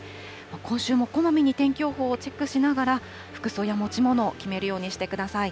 今週もこまめに天気予報をチェックしながら、服装や持ち物を決めるようにしてください。